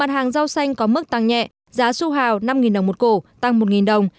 mặt hàng rau xanh có mức tăng nhẹ giá su hào năm đồng một cổ tăng một đồng